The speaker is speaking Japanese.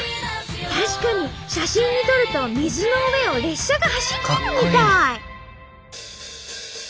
確かに写真に撮ると水の上を列車が走ってるみたい！